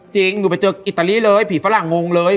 จริงหนูไปเจออิตาลีเลยผีฝรั่งงงเลย